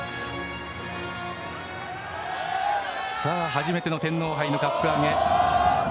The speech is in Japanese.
初めての天皇杯のカップ上げ。